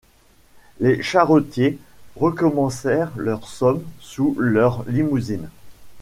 Les charretiers recommencèrent leur somme sous leurs limousines.